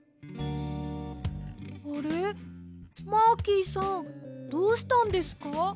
あれマーキーさんどうしたんですか？